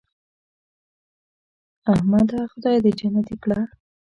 احمده خدای دې جنتې کړه .